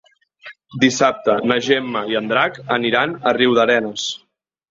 Dissabte na Gemma i en Drac aniran a Riudarenes.